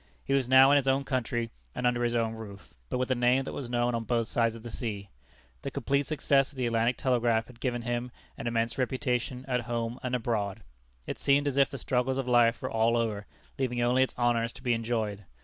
He was now in his own country and under his own roof, but with a name that was known on both sides of the sea. The complete success of the Atlantic Telegraph had given him an immense reputation at home and abroad. It seemed as if the struggles of life were all over, leaving only its honors to be enjoyed.